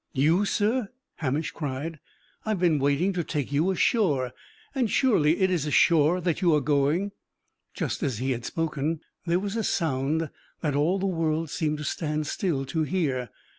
"You, sir!" Hamish cried. "I have been waiting to take you ashore; and surely it is ashore that you are going!" Just as he had spoken, there was a sound that all the world seemed to stand still to hear.